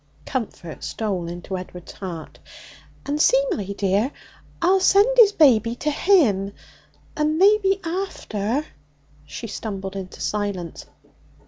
Comfort stole into Edward's heart. 'And see, my dear, I'll send his baby to him, and maybe, after ' She stumbled into silence.